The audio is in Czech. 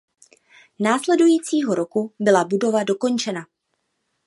Následujícího roku byla budova dokončena.